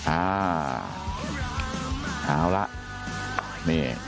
อ่าเอาละนี่